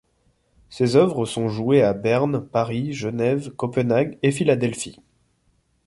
Ses œuvres sont jouées à Berne, Paris, Genève, Copenhague et Philadelphie.